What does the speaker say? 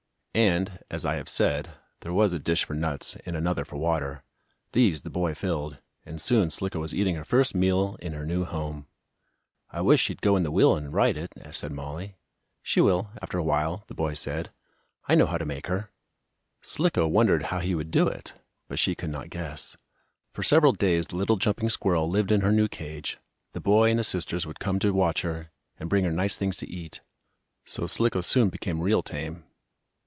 And, as I have said, there was a dish for nuts and another for water. These the boy filled, and soon Slicko was eating her first meal in her new home. "I wish she'd go in the wheel, and ride it," said Mollie. "She will, after a while," the boy said. "I know how to make her." Slicko wondered how he would do it, but she could not guess. For several days the little jumping squirrel lived in her new cage. The boy and his sisters would come to watch her, and bring her nice things to eat, so Slicko soon became real tame.